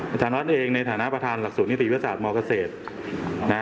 อาจารย์วัดเองในฐานะประธานหลักศูนิติวิทยาศาสตร์มเกษตร